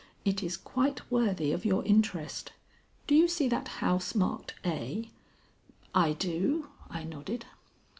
It is quite worthy of your interest. Do you see that house marked A?" "I do," I nodded.